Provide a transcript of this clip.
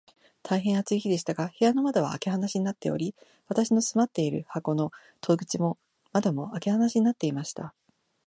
大へん暑い日でしたが、部屋の窓は開け放しになっており、私の住まっている箱の戸口も窓も、開け放しになっていました。